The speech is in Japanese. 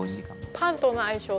パンとの相性が。